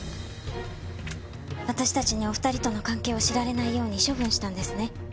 私たちにお二人との関係を知られないように処分したんですね。